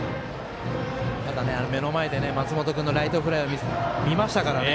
ただ、目の前で松本君のライトフライを見ましたからね。